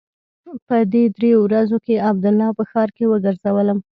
په دې درېو ورځو کښې عبدالله په ښار کښې وګرځولم.